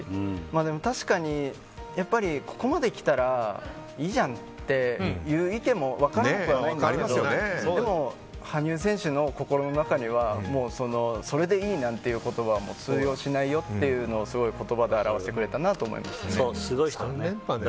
確かに、ここまで来たらいいじゃんっていう意見も分からなくはないんですけどでも、羽生選手の心の中にはそれでいいなんていうことは通用しないよっていうことをすごい、言葉で表してくれたなと思いましたね。